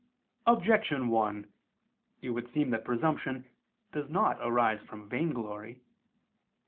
Objection 1: It would seem that presumption does not arise from vainglory.